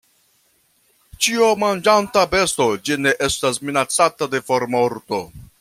Ĉiomanĝanta besto, ĝi ne estas minacata de formorto.